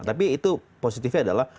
tapi itu positifnya adalah